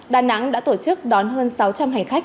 đà nẵng đã tổ chức đón hơn sáu trăm linh hành khách